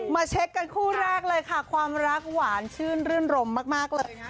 มาเช็คกันข้อแรกเลยค่ะความลักหวานชื่นนิ่มร่มมากเลยนะ